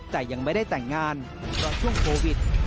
แต่ยังไม่ได้แต่งงานเพราะช่วงโควิด